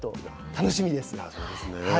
楽しみです。